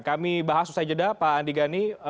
kami bahas ustaz jeddah pak andi gani